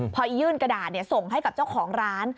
พอยื่นกระดาษส่งให้กับเจ้าของร้าน